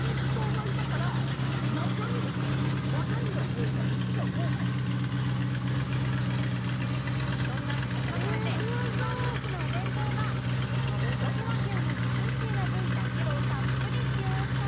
ここがすごいのはそんな田じまさんで一番人気のお弁当が黒毛和牛のジューシーな部位だけをたっぷり使用した